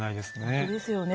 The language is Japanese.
本当ですよね。